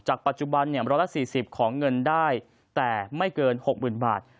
ปัจจุบัน๑๔๐ของเงินได้แต่ไม่เกิน๖๐๐๐บาท